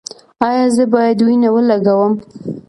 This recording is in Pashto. ایا زه باید وینه ولګوم؟